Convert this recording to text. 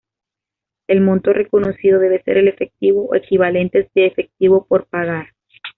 El monto reconocido debe ser el efectivo o equivalentes de efectivo por pagar.